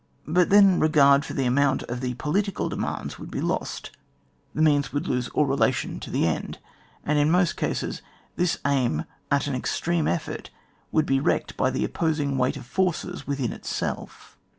But then regard for the amount of the political demands would be lost, the means would lose all relation to the end, and in most cases this aim af an extreme effort would be wrecked by the opposing weight of forces within itself.